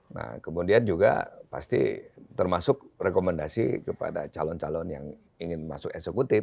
nah kemudian juga pasti termasuk rekomendasi kepada calon calon yang ingin masuk eksekutif